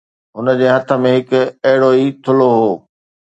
هُن جي هٿ ۾ هڪ اهڙو ئي ٿلهو هو